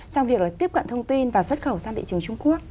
trong việc tiếp cận thông tin và xuất khẩu sang thị trường trung quốc